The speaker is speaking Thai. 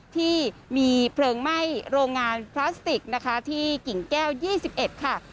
ที่มีเพลิงไหม้โรงงานพลาสติกนะคะที่กิ่งแก้ว๒๑ค่ะ